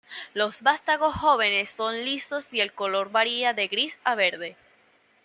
Los vástagos jóvenes son lisos y el color varía de gris a verde.